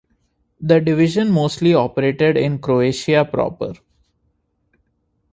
The division mostly operated in Croatia proper.